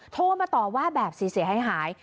โทรมาต่อว่าแบบเสียหาย